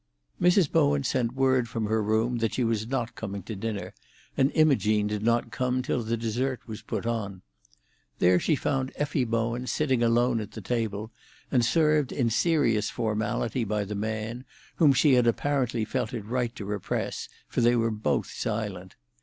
Mrs. Bowen sent word from her room that she was not coming to dinner, and Imogene did not come till the dessert was put on. Then she found Effie Bowen sitting alone at the table, and served in serious formality by the man, whom she had apparently felt it right to repress, for they were both silent.